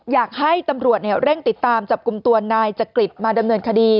อยากให้ตำรวจเร่งติดตามจับกลุ่มตัวนายจักริตมาดำเนินคดี